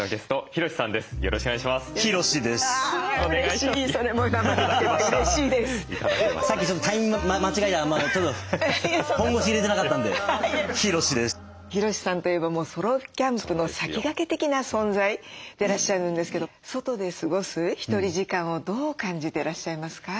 ヒロシさんといえばソロキャンプの先駆け的な存在でいらっしゃるんですけど外で過ごすひとり時間をどう感じてらっしゃいますか？